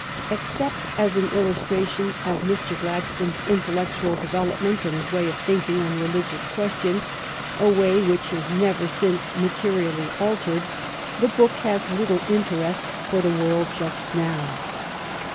Except as an illustra tion of Mr. Gladstone's intellectual development and his way of thinking on religious questions, a way which has never since materially altered, the book has little interest for the world just now.